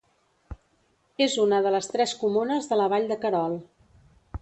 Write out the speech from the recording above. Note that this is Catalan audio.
És una de les tres comunes de la Vall de Querol.